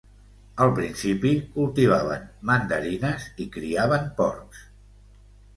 Al principi, cultivaven mandarines i criaven porcs.